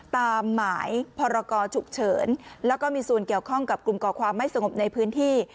ตามหมายพรกรฉุกเฉินแล้วก็มีส่วนเกี่ยวข้องกับกลุ่มก่อความไม่สงบในพื้นที่